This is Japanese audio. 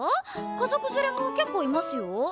家族連れも結構いますよ。